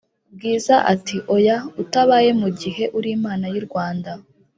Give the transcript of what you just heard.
bwiza ati"oya utabaye mugihe urimana y'irwanda"